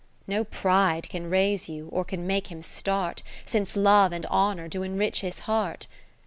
No pride can raise you, or can make him start, Since Love and Honour do enrich his heart.